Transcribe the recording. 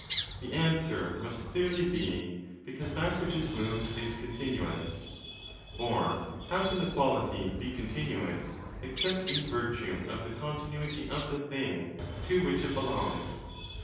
The answer must clearly be 'because that which is moved is continuous'. (For how can the quality be continuous except in virtue of the continuity of the thing to which it belongs?